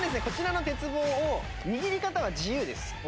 こちらの鉄棒を握り方は自由です。